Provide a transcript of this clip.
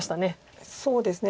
そうですね。